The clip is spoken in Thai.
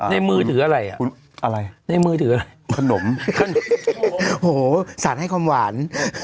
ได้มือถืออะไรอ่ะขนมโหสัตว์ให้ความหวาน